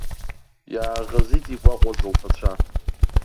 Иааӷызит игәаҟуаз лԥацәа.